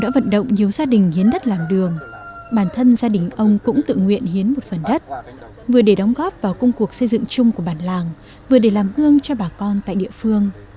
vận động nhiều gia đình hiến đất làm đường bản thân gia đình ông cũng tự nguyện hiến một phần đất vừa để đóng góp vào công cuộc xây dựng chung của bản làng vừa để làm gương cho bà con tại địa phương